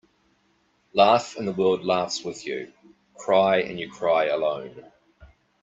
Laugh and the world laughs with you. Cry and you cry alone.